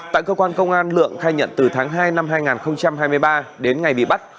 tại cơ quan công an lượng khai nhận từ tháng hai năm hai nghìn hai mươi ba đến ngày bị bắt